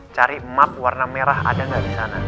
cari map warna merah ada gak disana